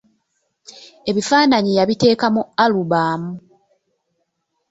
Ebifaananyi yabiteeka mu 'alubamu".